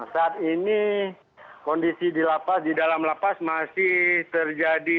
saat ini kondisi di lapas di dalam lapas masih terjadi